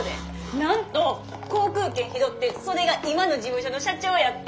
なんと航空券拾ってそれが今の事務所の社長やって。